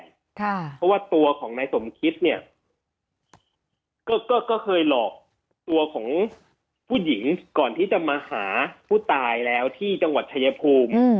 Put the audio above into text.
เพราะว่าตัวของนายสมคิดเนี่ยก็เคยหลอกตัวของผู้หญิงก่อนที่จะมาหาผู้ตายแล้วที่จังหวัดชายภูมิ